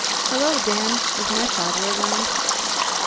"Hello, Dan. Is my father around?"